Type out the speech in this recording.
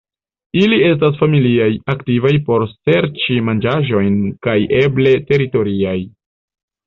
Ili estas familiaj, aktivaj por serĉi manĝaĵojn kaj eble teritoriaj.